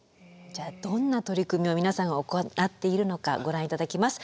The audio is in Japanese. じゃあどんな取り組みを皆さんが行っているのかご覧頂きます。